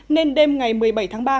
nên đêm ngày một mươi bảy tháng ba